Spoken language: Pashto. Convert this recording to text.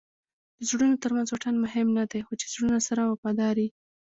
د زړونو ترمنځ واټن مهم نه دئ؛ خو چي زړونه سره وفادار يي.